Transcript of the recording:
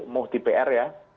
muh di pr ya